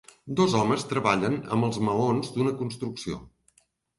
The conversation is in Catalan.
Dos homes treballen amb els maons d'una construcció.